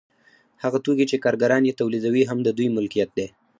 هغه توکي چې کارګران یې تولیدوي هم د دوی ملکیت دی